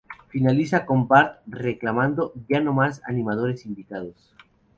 Finaliza con Bart reclamando "Ya no más animadores invitados".